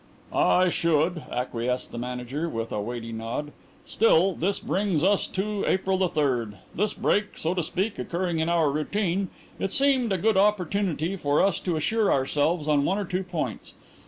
"I should," acquiesced the Manager, with a weighty nod. "Still this brings us to April the third this break, so to speak, occurring in our routine, it seemed a good opportunity for us to assure ourselves on one or two points.